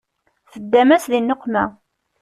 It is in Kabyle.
Teddam-as di nneqma